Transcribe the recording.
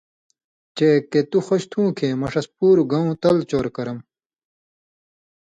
چےۡ کہ تُو خوش تُھو کھیں مہ ݜس پُوروۡ گؤں تَل چور کرم